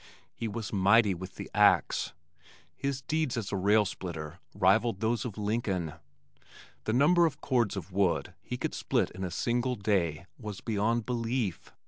He was mighty with the axe. His deeds as a railsplitter rivaled those of Lincoln. The number of cords of wood he could split in a single day was beyond belief.